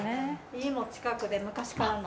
家も近くで昔からの。